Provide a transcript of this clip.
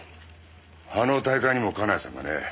あの大会にも金谷さんがね。